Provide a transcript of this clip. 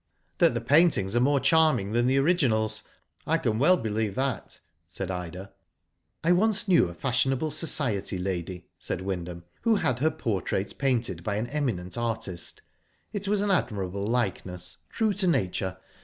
'^That the paintings are more charming than the originals, I can well believe that," said Ida. ''I once knew a fashionable Society lady,"* said Wyndham, "who had her portrait painted by an eminent artist. It was an admirable likeness, true to nature.